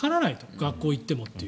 学校に行ってもという。